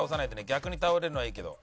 逆に倒れるのはいいけど。